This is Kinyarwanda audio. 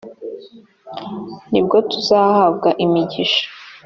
ni bwo tuzahabwa imigisha